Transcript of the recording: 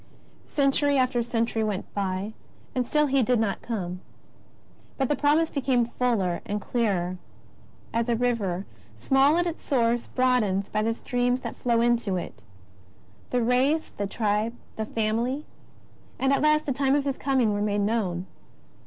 Century after century went by, and still He did not come. But the Promise became fuller and clearer, as a river, small at its source, broadens by the streams that flow into it. The race, the tribe, the family, and at last the time of His Coming, were made known.